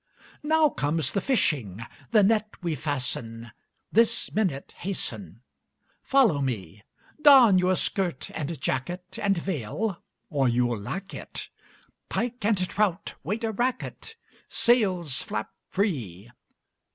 Now comes the fishing! The net we fasten; This minute hasten! Follow me! Don your skirt and jacket And veil, or you'll lack it; Pike and trout wait a racket; Sails flap free.